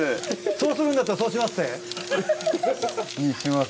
そうするんだったらそうしまっせ。にします？